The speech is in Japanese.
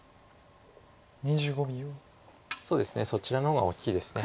そうですねそちらの方が大きいです。